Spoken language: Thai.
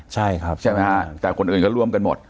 ใช่ครับใช่ไหมฮะแต่คนอื่นก็ร่วมกันหมด